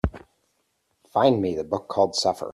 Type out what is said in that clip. Find me the book called Suffer